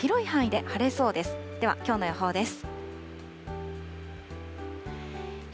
では、きょうの予報です。